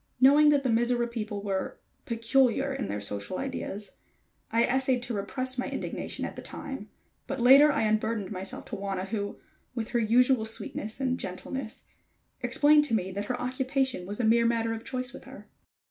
Knowing that the Mizora people were peculiar in their social ideas, I essayed to repress my indignation at the time, but later I unburdened myself to Wauna who, with her usual sweetness and gentleness, explained to me that her occupation was a mere matter of choice with her.